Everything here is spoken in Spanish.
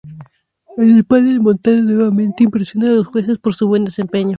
En el panel, Montana nuevamente impresiona a los jueces por su buen desempeño.